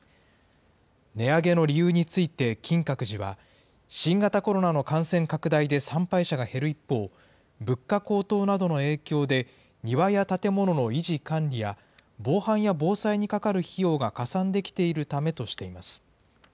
値上げの理由について金閣寺は、新型コロナの感染拡大で参拝者が減る一方、物価高騰などの影響で、庭や建物の維持管理や防犯や防災にかかる費用がかさんできているためとしています。